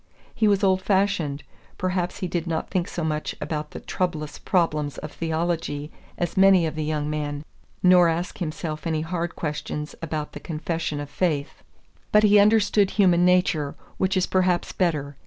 He was old fashioned; perhaps he did not think so much about the troublous problems of theology as many of the young men, nor ask himself any hard questions about the Confession of Faith; but he understood human nature, which is perhaps better.